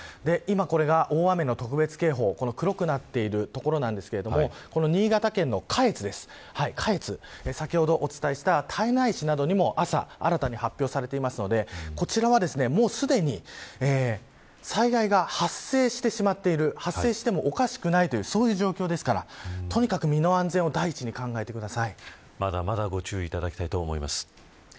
これが今の大雨特別警報黒くなっている所これが新潟県の下越先ほどお伝えした胎内市などでも朝、新たに発表されていますのでこちらはすでに災害が発生してしまっている発生してもおかしくないという状況ですからとにかく身の安全をまだまだご注意いただきたいと思います。